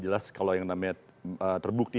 jelas kalau yang namanya terbukti